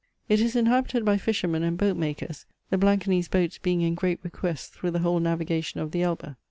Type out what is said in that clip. It is inhabited by fishermen and boat makers, the Blankanese boats being in great request through the whole navigation of the Elbe.